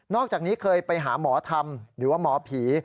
อกจากนี้เคยไปหาหมอธรรมหรือว่าหมอผี